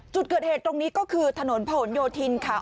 จุดเกิดเหตุตรงนี้ก็คือถนนผนโยธินค่ะ